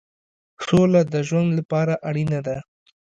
سوله د ژوند لپاره اړینه ده.